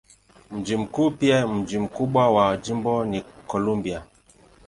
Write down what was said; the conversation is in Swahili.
Mji mkuu pia mji mkubwa wa jimbo ni Columbia.